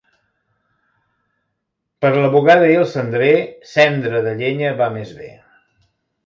Per la bugada i el cendrer, cendra de llenya va més bé.